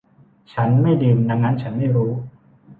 ฉันไม่ดื่มดังนั้นฉันไม่รู้